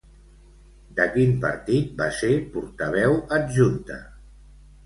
De quin partit va ser portaveu adjunta?